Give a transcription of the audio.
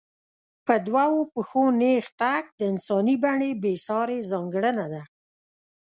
په دوو پښو نېغ تګ د انساني بڼې بېسارې ځانګړنه ده.